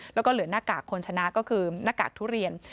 แล้วก็เหลือหน้ากากคนชนะก็คือหน้ากากทุเรียน